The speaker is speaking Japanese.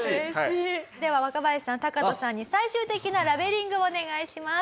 では若林さんタカトさんに最終的なラベリングをお願いします。